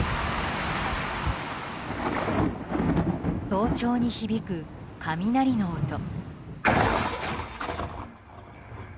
早朝に響く、雷の音。